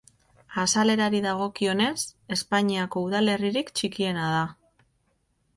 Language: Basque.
Azalerari dagokionez, Espainiako udalerririk txikiena da.